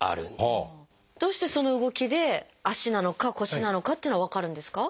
どうしてその動きで足なのか腰なのかっていうのが分かるんですか？